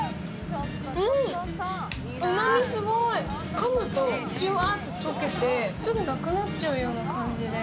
かむとジュワッと溶けてすぐなくなっちゃうような感じで。